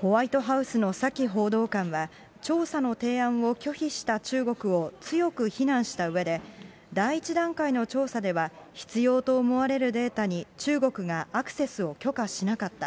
ホワイトハウスのサキ報道官は、調査の提案を拒否した中国を強く非難したうえで、第１段階の調査では、必要と思われるデータに中国がアクセスを許可しなかった。